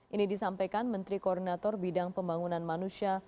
ini disampaikan menteri koordinator bidang pembangunan manusia